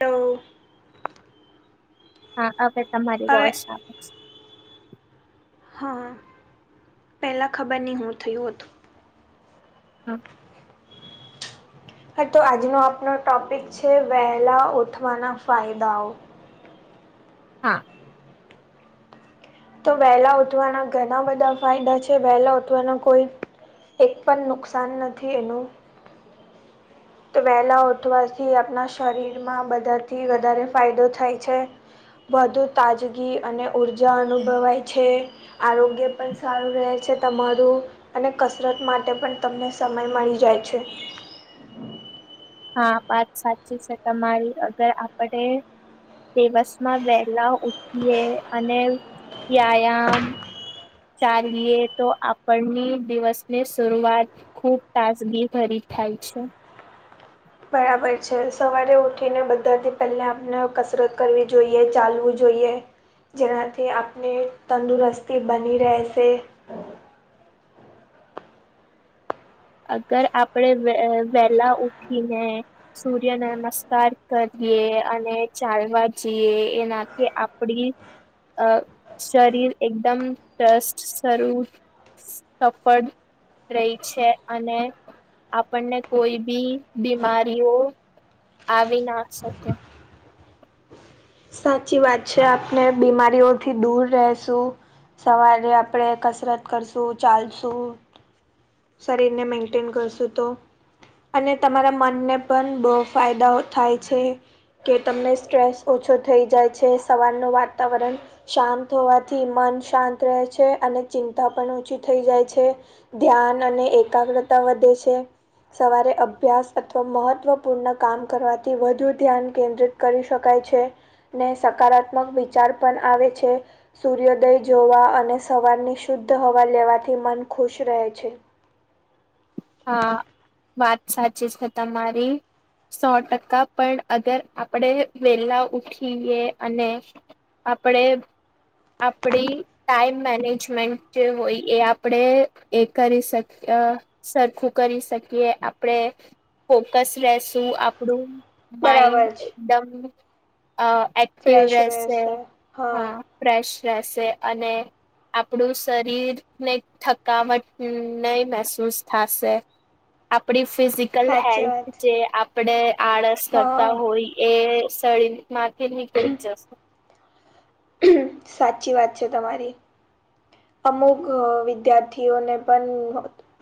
તો હા હવે તમારી હવે વોઈસ અવે છે. હા પહેલાં ખબર નહીં હું થયું હતું. હા. હા તો આજનો આપનો ટોપિક છે વહેલા ઓઠવાના ફાયદાઓ. હા. તો વહેલા ઉઠવાના ઘણા બધા ફાયદા છે વહેલા ઉઠવાના કોઈ એક પણ નુકસાન નથી એનું તો વહેલા ઉઠવાથી આપણા શરીર માં બધાથી વધારે ફાયદો થાય છે. વધુ તાજગી અને ઊર્જા અનુભવાય છે. આરોગ્ય પણ સારું રહે છે તમારું. અને કસરત માટે પણ તમને સમય મળી જાય છે. [inaudible] હા વાત સાચી છે તમારી અગર આપડ દિવસમાં વહેલા ઉઠીએ અને વ્યાયામ ચાલીએ તો આપણની દિવસ ની શરૂઆત ખુબ તાસગી ભરી થાય છે બરાબર છે સવારે ઉઠીને બધાથી પહેલા આપને કસરત કરવી જોઈએ ચાલવું જોઈએ જેનાથી આપણી તંદુરસ્તી બની રહેશે અગર આપણેે વેલા ઉઠીને સૂર્ય નમસ્કાર કરીએ અને ચાલવા જઈએ એનાથી આપડી અ શરીર એકદમ ત્રસ્ત સ્રૂ સફળ રહી છે અને આપણને કોઈ બી બીમારીઓ આવી ના શકે સાચી વાત છે આપણે બીમારીઓથી દૂર રશું સવારે આપણે કસરત કરશું ચાલશું શરીર ને મેન્ટેન કરશું તો અને તમારા મનને પણ બહુ ફાયદાઓ થાય છે કે તમને સ્ટ્રેસ ઓછો થઈ જાય છે સવારનું વાતાવરણ શાંત હોવાથી મન શાંત રહે છે અને ચિંતા પણ ઓછી થઈ જાય છે ધ્યાન અને એકાગ્રતા વધે છે સવારે અભ્યાસ અથવા મહત્ત્વપૂર્ણ કામ કરવાથી વધુ ધ્યાન કેન્દ્રિત કરી શકાય છે ને સકારાત્મક વિચાર પણ આવે છે સૂર્યોદય જોવા અને સવારની શુદ્ધ હવા લેવાથી મન ખુશ રહે છે હા વાત સાચી જ તમારી સો ટકા પણ અગર આપડે વેલા ઉઠીએ અને આપડે આપડી ટાઈમ મેનેજમેન્ટ જે હોય એ આપણે એ કરી શક સરખું કરી શકીએ આપણેે ફોકસ રશું આપણું માઇન્ડ બરાબર છે એકદમ એક્ટિવ રહેશે હા ફ્રેશ રહેશે અને આપણું શરીરને થકાવટ નહી મહેસૂસ થશે આપડી ફિઝિકલ સાચી વાત હેલ્થ જે આપણે આળસ કરતા હા હોય એ સળ માંથી નીકળી જશે સાચી વાત છે તમારી અમુક વિદ્યાર્થીઓને પણ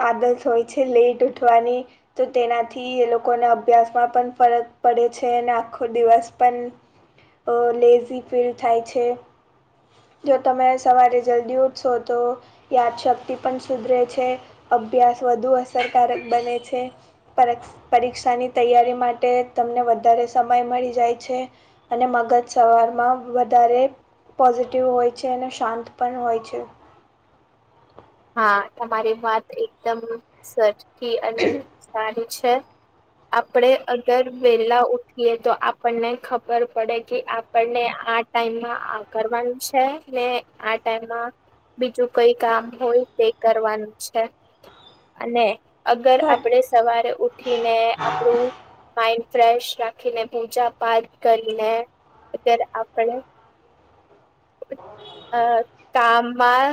આદશ હોય છે લેટ ઉઠવાની તો તેનાથી એ લોકોને અભ્યાસમાં પણ ફરક પડે છે અને આખો દિવસ પણ અ લેઝી ફીલ થાય છે જો તમે સવારે જલ્દી સો તો યાદશક્તિ પણ સુધરે છે અભ્યાસ વધુ અસરકારક બને છે પરીક્ષાની તૈયારી માટે તમને વધારે સમય મળી જાય છે અને મગજ સવારમાં વધારે પોઝિટિવ હોય છે અને શાંત પણ હોય છે હા તમારી વાત એકદમ સરખી અને સારી છે આપડે અગર વેલા ઉઠીએ તો આપણને ખબર પડે કે આપને આ ટાઈમમાં કરવાનું છે ને આ ટાઈમમાં બીજું કઈ કામ હોય તે કરવાનું છે અને અગર હા આપણે સવારે ઉઠી ને આપણું માઇન્ડ ફ્રેશ રાખીને પૂજા પાઠ કરીને અત્યારે આપણે [unintelligible] આ કામમાં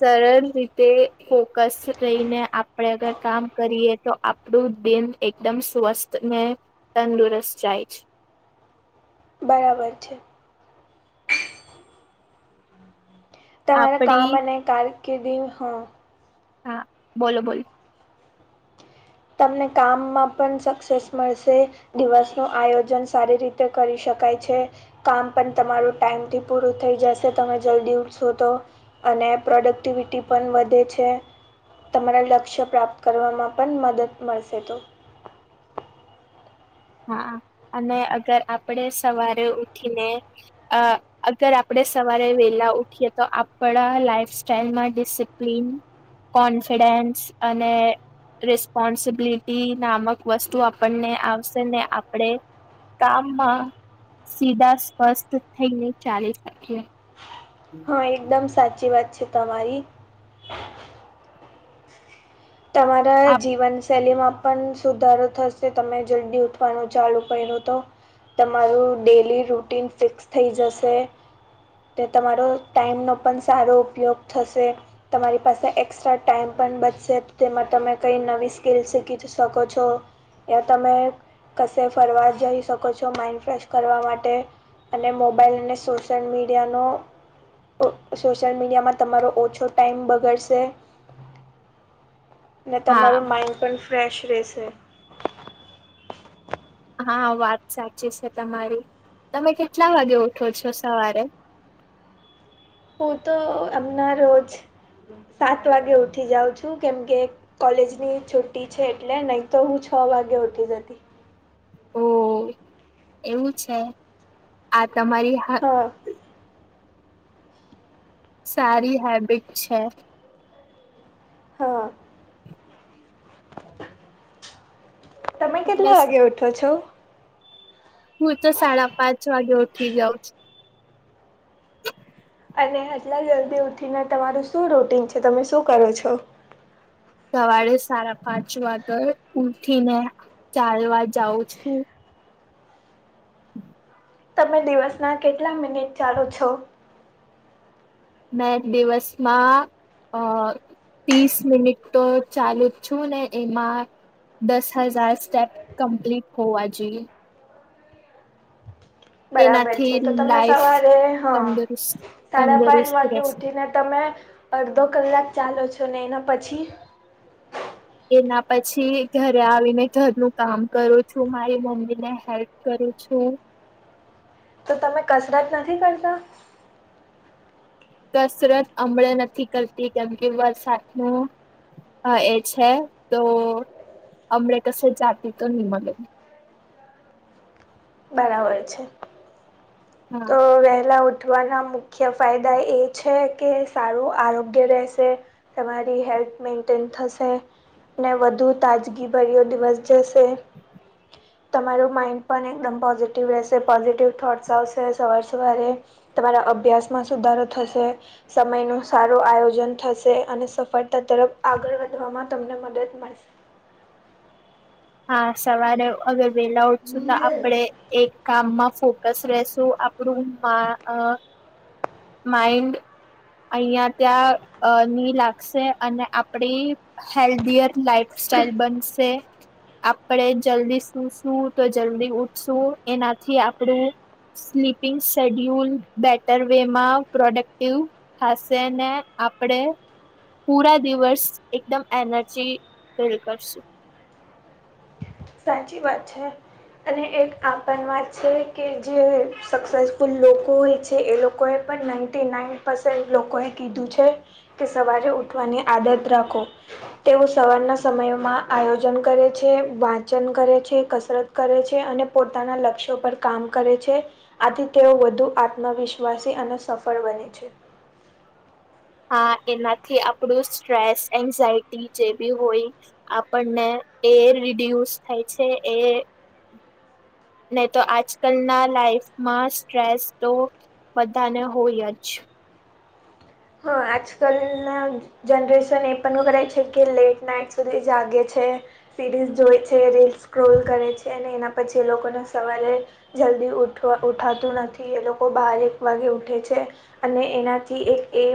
સરળ રીતે ફોકસ રહીને આપણે અગર કામ કરીએ તો આપડું દિન એકદમ સ્વસ્થ ને તંદુરસ્ત જાય. બરાબર છે. તમારા આપડી કામ અને કારકિર્દી હો હા બોલો બોલો તમને કામમાં પણ સક્સેસ મળશે. દિવસ નું આયોજન સારી રીતે કરી શકાય છે. કામ પણ તમારું ટાઈમથી પૂરું થઈ જશે તમે જલ્દી ઉઠશો તો. અને પ્રોડક્ટિવિટી પણ વધે છે. તમારા લક્ષ્ય પ્રાપ્ત કરવામાં પણ મદદ મળશે તો હા અને અગર આપણેે સવારે ઉઠીને અ અગર આપણેે સવારે વેલા ઉઠીએ તો આપણા લાઈફ સાઈલમાં ડિસિપ્લન કોન્ફિડેન્સ અને રેસ્પોન્સબિલિટી નામક વસ્તુ આપણને આવ ને આપણેે કામમાં સીધા સ્પષ્ટ થઈને ચાલી જાય. હ એકદમ સાચી વાત છે તમારી. તમારા આપ જીવન શૈલીમાં પણ સુધારો થશે તમે જલ્દી ઉઠવાનું ચાલુ કર્યું તો. તમારું ડેલી રૂટીન ફિક્સ થઈ જશે. ને તમારો ટાઈમનો પણ સારો ઉપયોગ થશે. તમારી પાસે એક્સ્ટ્રા ટાઈમ પણ બચશે. તેમાં તમે કઈ નવી સ્કીલ શીખી શકો છો. યાં તમે કશે ફરવા જઈ શકો છો માઇન્ડ ફ્રેશ કરવા માટે. અને મોબાઈલ અને સોશિયલ મીડિયાનો સોશિયલ મીડિયામાં તમારો ઓછો ટાઈમ બગડશે. ને હા તમારું માઇન્ડ પણ ફ્રેશ રહેશે. હા વાત સાચી છે તમારી તમે કેટલા વાગે ઉઠો છો સવારે હું તો હમના રોજ સાત વાગે ઉઠી જાઉં છું કેમકે કોલેજની છુટી છે એટલે નહી તો હું છ વાગે ઉઠી જતી ઓ એવું છે આ તમારી હા [inaudible] સારી હેબિટ છે. હા તમે કેટલા વાગે ઉઠો છો? હું તો સાડા પાંચ વાગે ઉઠી જાઉં અને આટલા જલ્દી ઉઠીને તમારું શું રૂટીન છે તમે શું કરો છો. સવારે સાડા પાંચ વાગે ઉઠીને ચાલવા જાઉં છે. તમે દિવસના કેટલા મિનિટ ચાલો છો? મેં દિવસમાં અ ત્રીસ મિનિટ તો ચાલુ જ છું ને એમાં દસ હજાર સ્ટેપ કમ્પ્લીટ હોવા જોઈ બરાબર એનાથી છે તો તમે લાઈફ સવારે હા તંદુરસ્ત સાડા પાંચ તંદુરસ્ત વાગે રહેશે ઉઠીને તમે અડધો કલાક ચાલો છો ને એના પછી એના પછી ઘરે આવીને ઘરનું કામ કરું છું મારી મમ્મી ને હેલ્પ કરું છું. તો તમે કસરત નથી કરતા? કસરત હમળ નથી કરતી કેમ કે વરસાદનો હા એ છે તો અમને કશે જાતિ તો નહી મળે. બરાબર છે. હા તો વહેલા ઉઠવાના મુખ્ય ફાયદા એ છે કે, સારું આરોગ્ય રહેશે. તમારી હેલ્થ મેન્ટેન થશે. ને વધુ તાજગીભર્યો દિવસ જશે. તમારું માઇન્ડ પણ એકદમ પોઝિટિવ રહેશે, પોઝિટિવ થોટ્સ આવશે. સવારે સવારે તમારા અભ્યાસ માં સુધારો થશે. સમય નું સારું આયોજન થશે અને સફળતા તરફ આગળ વધવામાં તમને મદદ મળશે. હા, સવારે અગર વેલા ઉઠશું તો મળશે આપડે એક કામમાં ફ સ્રેસું આપણું [unintelligible] માઇન્ડ અહીં ત્યાં ની લાગે. અને આપડી હેલ્ધી યર લાઈફ સાઈલ બનશે. આપણે જલ્દી સુઈશું તો જલ્દી ઉઠશું, એનાથી આપણું સ્લીપિંગ શેડ્યુલ બેટર. એમાં પ્રોડક્ટિવ થશે ને આપણે પૂરા દિવસ એકદમ એનર્જી ફીલ કરીશું. સાચી વાત છે. અને એક આન વાત છે કે, જે સક્સેસફુલ લોકો હોય છે એ લોકોએ પણ નાઇન્ટી નાઇન પસેન્ટ લોકોએ કીધું છે. કે સવારે ઉઠવાની આદત રાખો. તેવું સવારના સમયમાં આયોજન કરે છે. વચન કરે છે, કસરત કરે છે, અને પોતાના લક્ષ્યો પર કામ કરે છે. આથી તેઓ વધુ આત્મવિશ્વાસી અને સફળ બને છે. હા, એનાથી આપણું સ્ટ્રેસ, એન્ઝાયટી જે બી હોય. આપણને એ રીડ્યુસ થાય છે એ. નહીં તો આજકાલ ના લાઈફમાં સ્ટ્રેસ તો બધાને હોય જ. હા, આજકાલ ના જનરેશન એ પણ કરે છે કે, લેટ નાઈટ સુધી જાગે છે. સિરીઝ જોય છે, રીલ સ્કોર કરે છે અને એના પછી એ લોકોને સવારે જલ્દી ઉઠવા ઉઠાતું નથી. એ લોકો બાર એક વાગે ઉઠે છે. અને એનાથી એક એ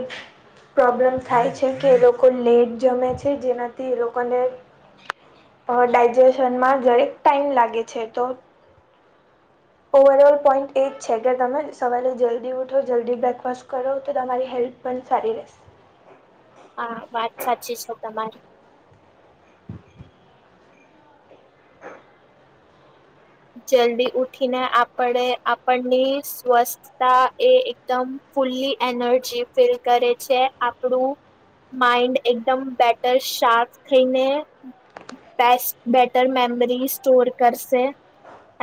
પ્રોબ્લેમ થાય છે કે, એ લોકો લેટ જમે છે. જેનાથી એ લોકોને અ ડાયજેશનમાં જરેક ટાઈમ લાગે છે તો ઓવરઓલ પોઈન્ટ એ જ છે કે, તમે સવારે જલ્દી ઉઠો, જલ્દી બ્રેકફાસ્ટ કરો, તો તમારી હેલ્થ પણ સારી રહેશે. હા, વાત સાચી છે તમારી. જલ્દી ઉઠીને આપણે આપણની સ્વસ્થ એ એકદમ ફુલ્લી એનર્જી ફીલ કરે છે, આપણું માઇન્ડ એકદમ બેટર, શાર્પ થઈને બેસ્ટ બેટર મેમરી સ્ટોર કરશે.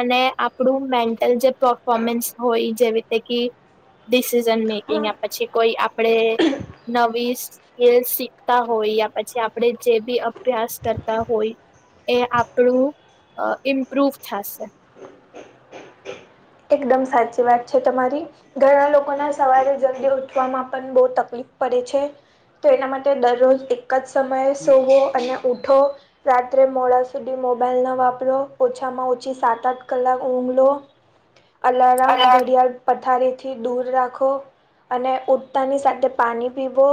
અને આપણું મેન્ટલ જે પરફોમન્સ હોય, જેવી તે કે ડિસિઝન મેકિંગ હા પછી કોઈ આપણેે નવી એ શીખતા હોય, યા પછી આપણે જે બી અભ્યાસ કરતા હોય. એ આપણું ઇમ્પ્રુવ થશે. એકદમ સાચી વાત છે તમારી. ઘણા લોકોના સવારે જલ્દી ઉઠવામાં પણ બહુ તકલીફ પડે છે. તો એના માટે દરરોજ એક જ સમયે સોવો અને ઉઠો. રાત્રે મોડા સુધી મોબાઈલ ના વાપરો. ઓછામાં ઓછી સાત આઠ કલાક ઊઘલો. આલારામ ઘડિયાળ. પથારીથી દૂર રાખો, અને ઉડતાની સાથે પાણી પીવો.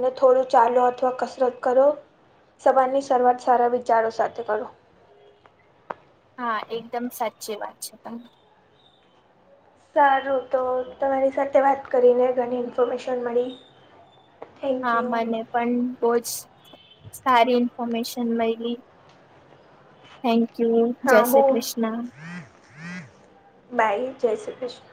અને થોડું ચાલો અથવા કસરત કરો. સબંધની શરૂઆત સારા વિચારો સાથે કરો. હા, એકદમ સાચી વાત છે તમારી. સારું તો, તમારી સાથે વાત કરીને ઘણી ઇન્ફોર્મેશન મળી. થેન્ક હા યુ મને પણ બહુ જ સારી ઇન્ફોમેશન મ‌ઇ ગ‌ઇ. Thank you. જય હા શ્રી હું કૃષ્ણ. બાય જય શ્રી કૃષ્ણ.